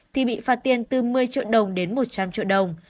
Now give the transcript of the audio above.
thì bị phạt tiền từ một mươi triệu đồng đến một trăm linh triệu đồng